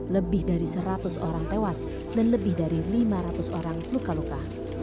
lebih dari seratus orang tewas dan lebih dari lima ratus orang luka luka